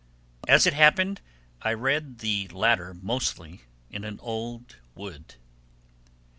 As it happened, I read the latter mostly in an old wood.